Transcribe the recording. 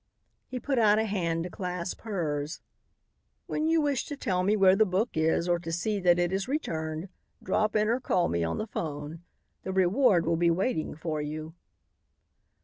He put out a hand to clasp hers. "When you wish to tell me where the book is or to see that it is returned, drop in or call me on the phone. The reward will be waiting for you."